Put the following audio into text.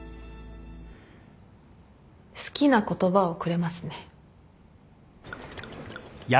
好きな言葉をくれますね。